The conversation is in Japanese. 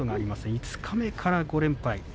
五日目から５連敗。